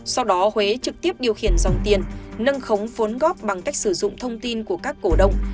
sau đó huế trực tiếp điều khiển dòng tiền nâng khống vốn góp bằng cách sử dụng thông tin của các cổ động